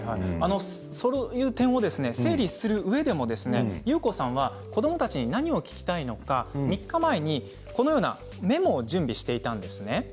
そういう点を整理するうえでも、ゆうこさんは子どもたちに何を聞きたいのか３日前にこのようなメモを準備していたんです。